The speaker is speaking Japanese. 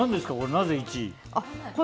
なぜ１位？